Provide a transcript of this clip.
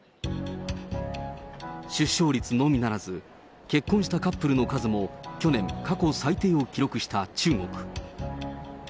出生率のみならず、結婚したカップルの数も去年過去最低を記録した中国。